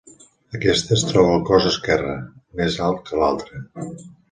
Aquesta es troba al cos esquerre, més alt que l'altre.